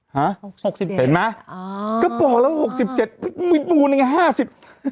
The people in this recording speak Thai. ฮะเห็นไหมก็บอกแล้ว๖๗มูนอย่างนี้๕๐